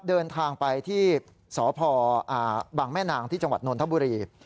เดินทางไปที่สพบแม่นางที่จนทบุรี